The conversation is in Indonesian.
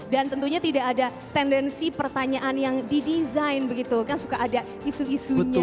dan tentunya tidak ada tendensi pertanyaan yang didesain begitu kan suka ada isu isunya gitu ya